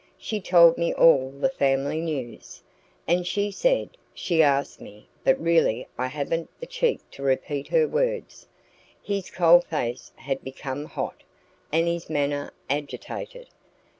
She told me all the family news. And she said she asked me but really I haven't the cheek to repeat her words " His cold face had become hot, and his manner agitated.